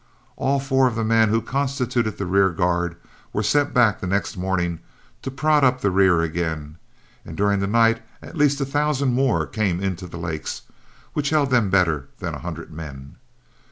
All four of the men who constituted the rear guard were sent back the next morning to prod up the rear again, and during the night at least a thousand more came into the lakes, which held them better than a hundred men.